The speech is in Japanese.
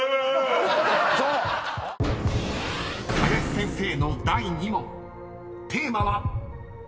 ［林先生の第２問テーマは］